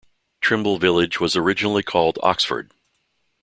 Trimble village was originally called Oxford.